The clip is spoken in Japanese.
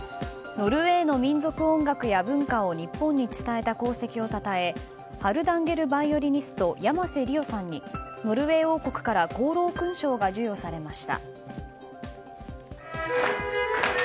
ノルウェーの民俗音楽や文化を日本に伝えた功績をたたえハルダンゲルヴァイオリニスト山瀬理桜さんにノルウェー王国から功労勲章が授与されました。